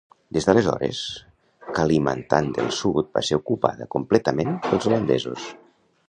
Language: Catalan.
Des d'aleshores, Kalimantan del Sud va ser ocupada completament pels holandesos.